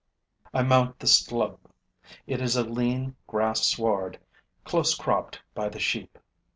I mount the slope. It is a lean grass sward close cropped by the sheep.